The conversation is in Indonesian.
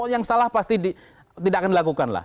yang salah pasti tidak akan dilakukan lah